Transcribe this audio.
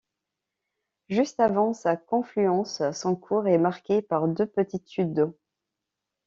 Juste avant sa confluence, son cours est marqué par deux petites chutes d'eau.